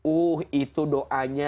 uh itu doanya